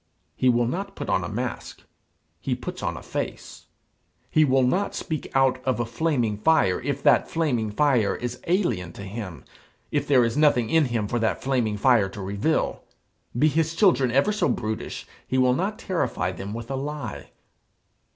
He will not put on a mask. He puts on a face. He will not speak out of flaming fire if that flaming fire is alien to him, if there is nothing in him for that flaming fire to reveal. Be his children ever so brutish, he will not terrify them with a lie.